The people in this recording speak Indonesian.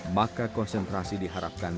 maka konsentrasi diharapkan